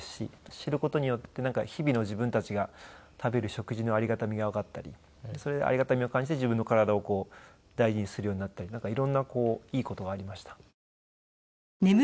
知る事によって日々の自分たちが食べる食事のありがたみがわかったりそれでありがたみを感じて自分の体をこう大事にするようになったり色んないい事はありました。